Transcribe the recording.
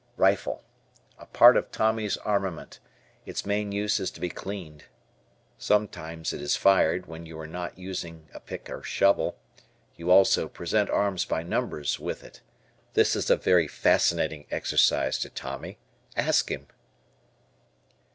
Rifle. A part of Tommy's armament. Its main use is to be cleaned. Sometimes it is fired, when you are not using a pick or shovel. You also "present arms by numbers" with it. This is a very fascinating exercise to Tommy. Ask him.